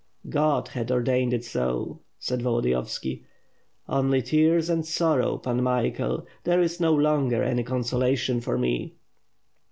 "God has ordained it so," said Volodiyovski. "Only tears and sorrow. Pan Michael, there is no longer any consolation for me."